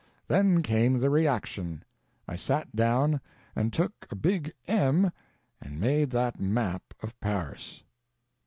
Then came the reaction. I sat down and took a big M and made the map of Paris.